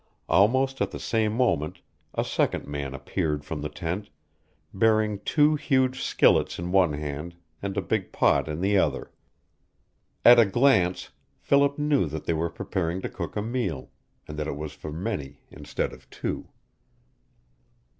Almost at the same moment a second man appeared from the tent, bearing two huge skillets in one hand and a big pot in the other. At a glance Philip knew that they were preparing to cook a meal, and that it was for many instead of two.